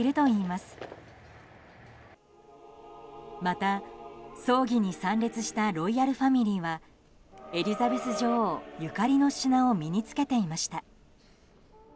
また、葬儀に参列したロイヤルファミリーはエリザベス女王ゆかりの品を身に着けていました。